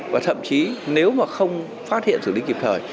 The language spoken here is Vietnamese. và thậm chí nếu mà không phát hiện xử lý kịp thời